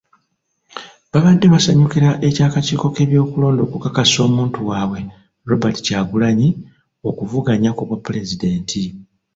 Baabade basanyukira ekya kakiiko k'ebyokulonda okukakasa omuntu waabwe, Robert Kyagulanyi okuvuganya ku bwapulezidenti